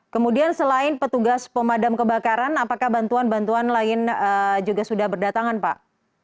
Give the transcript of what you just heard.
kemudian selain petugas pemadam kebakaran apakah bantuan bantuan lain juga sudah berdatangan pak